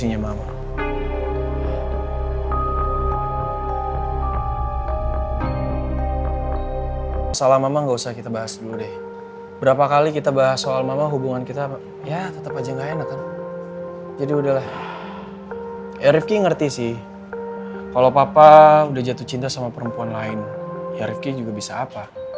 ya rifki ngerti sih kalau papa udah jatuh cinta sama perempuan lain ya rifki juga bisa apa